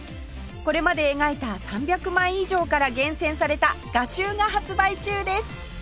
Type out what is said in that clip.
これまで描いた３００枚以上から厳選された画集が発売中です！